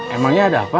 emangnya ada apa